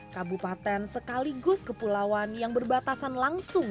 kabupaten sekaligus kepulauan yang berbatasan langsung